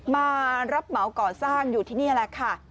มารับเหมาก่อสร้างอยู่ที่นี่แหละค่ะ